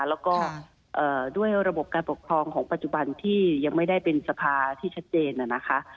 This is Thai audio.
แล้วก็ด้วยระบบการปกครองของปัจจุบันที่ยังไม่ได้เป็นสภาที่ชัดเจนนะคะ